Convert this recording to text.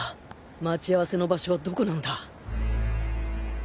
待ち合わせの場所はどこなんだ？